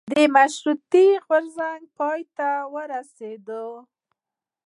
د مشروطیت غورځنګ پای ته ورسیده.